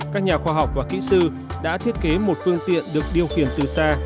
các nhà khoa học và kỹ sư đã thiết kế một phương tiện được điều khiển từ xa